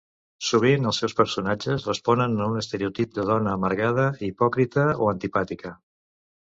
Sovint els seus personatges responen a un estereotip de dona amargada, hipòcrita o antipàtica.